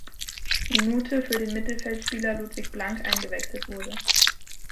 Minute für den Mittelfeldspieler Ludwig Blank eingewechselt wurde.